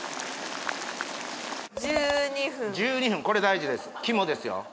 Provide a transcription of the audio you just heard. １２分１２分これ大事です肝ですよ